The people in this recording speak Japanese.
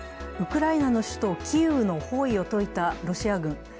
ウクライナの首都キーウの包囲を解いたロシア軍。